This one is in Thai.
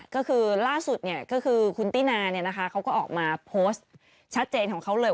ก็คือล่าสุดก็คือคุณตินาเขาก็ออกมาโพสต์ชัดเจนของเขาเลย